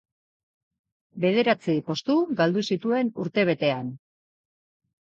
Bederatzi postu galdu zituen urtebetean.